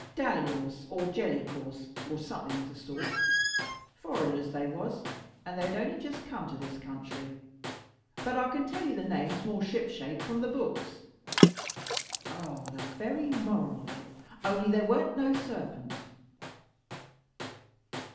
"Dallyhorse, or Jellycorse, or something of the sort. Foreigners they was, and they had only just come to this country. But I can tell you the name more shipshape from the books. Ah, the very moral of it; only there warn't no serpent."